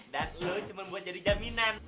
dan lo cuma buat jadi jaminan